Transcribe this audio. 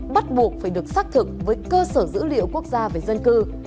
bắt buộc phải được xác thực với cơ sở dữ liệu quốc gia về dân cư